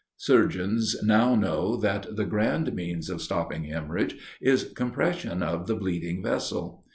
Surgeons now know that the grand means of stopping hemorrhage is compression of the bleeding vessel.